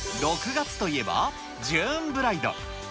６月といえば、ジューンブライド。